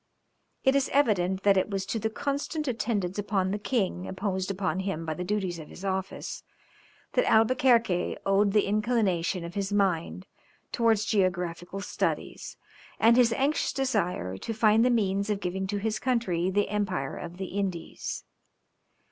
It is evident that it was to the constant attendance upon the king imposed upon him by the duties of his office, that Albuquerque owed the inclination of his mind towards geographical studies, and his anxious desire to find the means of giving to his country the Empire of the Indies.